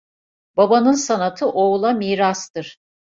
Babanın sanatı oğula mirastır.